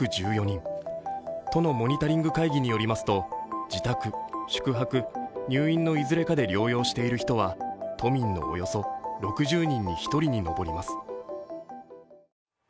都のモニタリング会議によりますと、自宅、宿泊、入院のいずれかで療養している人は都民のおよそ６０人に１人に上ります。